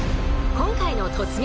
今回の「突撃！